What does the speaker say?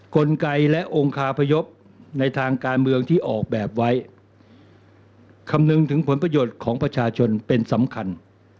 กลไกและองคาพยพในทางการเมืองที่ออกแบบไว้คำนึงถึงผลประโยชน์ของประชาชนเป็นสำคัญ